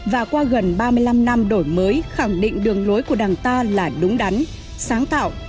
và qua gần ba mươi năm năm đổi mới khẳng định đường lối của đảng ta là đúng đắn sáng tạo